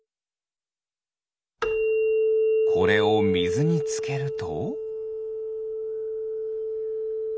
これをみずにつけると？